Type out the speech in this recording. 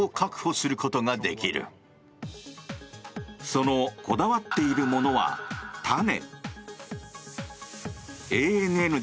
そのこだわっているものは種。